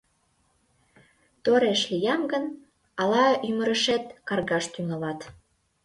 Тореш лиям гын, ала ӱмырешет каргаш тӱҥалат.